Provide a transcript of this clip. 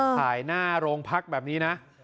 ถ่ายหน้าโรงพักแบบนี้นะ